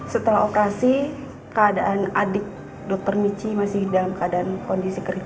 setelah operasi keadaan adik dokter michi masih dalam keadaan kondisi kritis